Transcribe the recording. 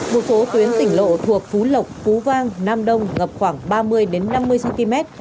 một số tuyến tỉnh lộ thuộc phú lộc phú vang nam đông ngập khoảng ba mươi năm mươi cm